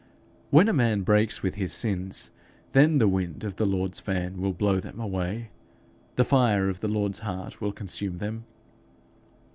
When a man breaks with his sins, then the wind of the Lord's fan will blow them away, the fire of the Lord's heart will consume them.